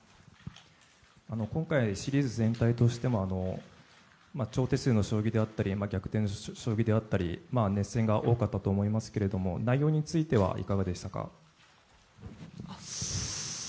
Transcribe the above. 今回、シリーズ全体としても長手数の将棋であったり逆転する将棋であったり熱戦が多かったと思いますが内容についてはいかがですか。